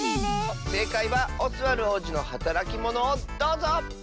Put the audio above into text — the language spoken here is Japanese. せいかいは「オスワルおうじのはたらきモノ」をどうぞ！